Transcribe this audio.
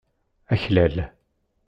Aklal.